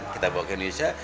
kita bawa ke indonesia